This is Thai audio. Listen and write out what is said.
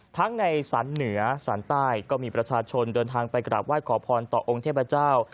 ทั้งในสรรเหนือสารใต้ก็มีประชาชนเดินทางไปกราบไหว้ขอพรต่อองค์เทพเจ้า